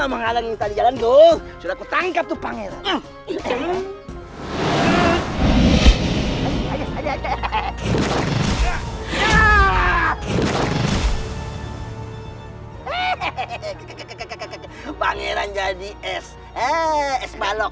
menghalangi jalan goh sudah ketangkap tuh pangeran hehehe hehehe pangeran jadi es balok